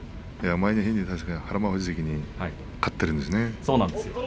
前の日に日馬富士関に勝っているんですね。